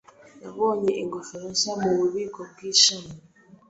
Nabonye ingofero nshya mububiko bwishami.